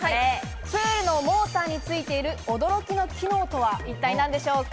プールのモーターについている驚きの機能とは一体何でしょうか？